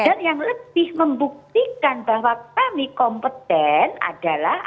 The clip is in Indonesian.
dan yang lebih membuktikan bahwa kami kompeten adalah